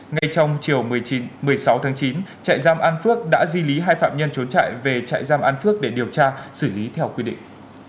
ngay trong chiều một mươi sáu tháng chín trại giam an phước đã di lý hai phạm nhân trốn trại về trại giam an phước để điều tra xử lý theo quy định